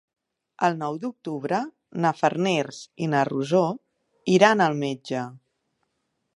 El nou d'octubre na Farners i na Rosó iran al metge.